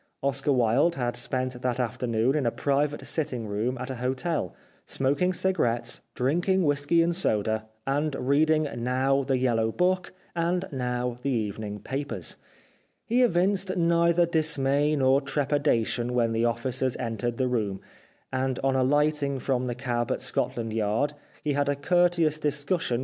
Oscar Wilde had spent that afternoon in a private sitting room at a hotel, smoking cigarettes, drinking whisky and soda, and reading now the Yellow Book, and now the evening papers. He evinced neither dis may nor trepidation when the officers entered the room, and on alighting from the cab at Scot land Yard he had a courteous discussion with 354 z ^ f // 7t a J ^"2^ u r X FACSIMILE OF WILDES WRITING TOWARDS THE END.